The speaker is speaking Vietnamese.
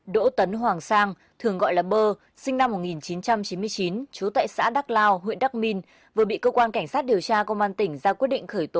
đỗ tấn hoàng sang thường gọi là bơ sinh năm một nghìn chín trăm chín mươi chín chú tại xã đắk lao huyện đắc minh vừa bị cơ quan cảnh sát điều tra công an tỉnh ra quyết định khởi tố